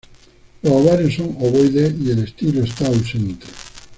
Los ovarios son ovoides y el estilo está ausente.